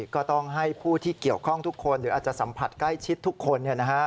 ก็ต้องให้ผู้ที่เกี่ยวข้องทุกคนหรืออาจจะสัมผัสใกล้ชิดทุกคน